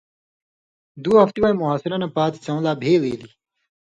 دُو ہفتی وَیں مُحاصرہ نہ پاتیۡ سېوں لا بھیل ایلیۡ،